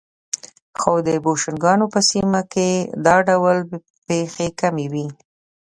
خو د بوشنګانو په سیمه کې دا ډول پېښې کمې وې.